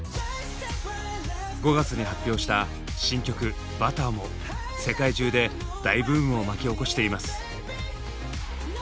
５月に発表した新曲「Ｂｕｔｔｅｒ」も世界中で大ブームを巻き起こしています。